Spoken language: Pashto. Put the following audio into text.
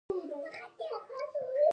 امریکا پر ولسمشر زېری کوي.